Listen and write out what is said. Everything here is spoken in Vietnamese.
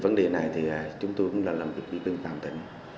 vấn đề này chúng tôi cũng làm việc biên tạm tỉnh